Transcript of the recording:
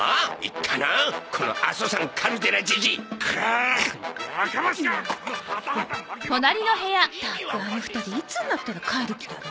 ったくあの２人いつになったら帰る気だろ？